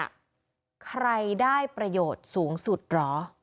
แบบนี้เนี่ยใครได้ประโยชน์สูงสุดเหรอ